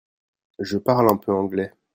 Je parle un peu anglais.